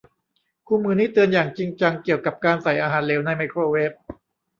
คู่มือนี้เตือนอย่างจริงจังเกี่ยวกับการใส่อาหารเหลวในไมโครเวฟ